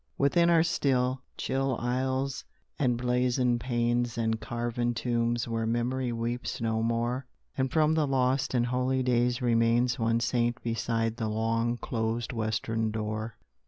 Within are still, chill aisles and blazoned panes And carven tombs where memory weeps no more. And from the lost and holy days remains One saint beside the long closed western door.